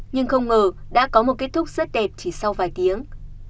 nhưng không ngờ đã có một kết thúc rất đẹp chỉ sau vài tiếng